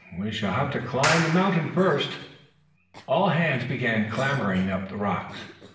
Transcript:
We shall have to climb the mountain, first." All hands began clambering up the rocks.